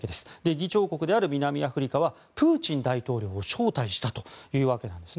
議長国である南アフリカはプーチン大統領を招待したというわけなんです。